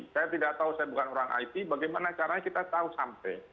saya tidak tahu saya bukan orang it bagaimana caranya kita tahu sampai